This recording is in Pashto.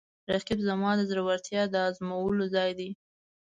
رقیب زما د زړورتیا د ازمویلو ځای دی